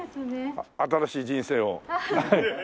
新しい人生を。